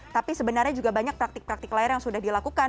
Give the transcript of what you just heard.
tapi sebenarnya juga banyak praktik praktik layar yang sudah dilakukan